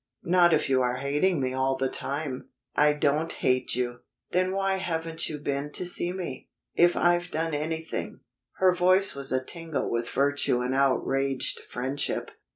"Not if you are hating me all the time." "I don't hate you." "Then why haven't you been to see me? If I have done anything " Her voice was a tingle with virtue and outraged friendship.